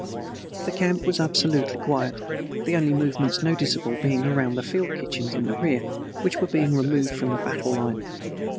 The camp was absolutely quiet, the only movements noticeable being around the field kitchens in the rear, which were being removed from the battle line.